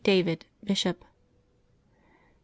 DAVID, Bishop. [t.